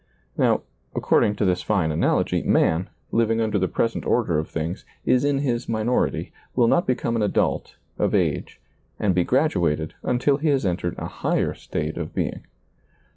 Now, according to this fine analogy, man, living under the present order of things, is in his minority, will not become an adult, of age, and ^lailizccbvGoOgle SEEING DARiCLY 5 be graduated until he has entered a higher state of being.